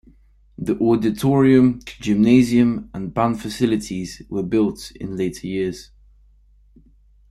The auditorium, gymnasium and band facilities were built in later years.